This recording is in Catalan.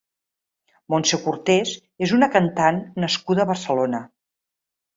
Montse Cortés és una cantant nascuda a Barcelona.